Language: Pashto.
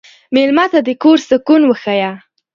مېلمه ته د کور سکون وښیه.